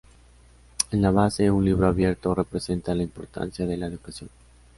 En la base, un libro abierto representa la importancia de la educación.